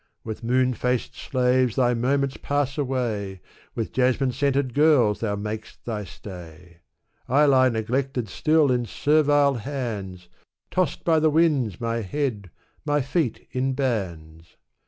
With moon faced slaves thy moments pass away ; With jasmine scented girls thou mak'st thy stay. I lie neglected still in servile hands. Tossed by the winds my head, my feet in bands."